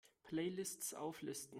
Playlists auflisten!